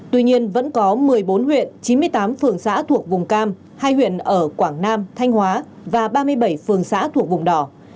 tuy nhiên vẫn có một mươi bốn huyện chín mươi tám phường xã thuộc vùng cam hai huyện ở quảng nam thanh hóa và ba mươi bảy phường xã thuộc vùng đỏ